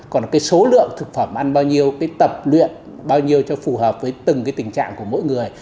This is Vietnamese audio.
còn cái số lượng thực phẩm ăn bao nhiêu cái tập luyện bao nhiêu cho phù hợp với từng cái tình trạng của mỗi người